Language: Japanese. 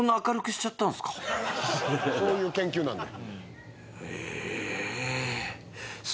そういう研究なんで。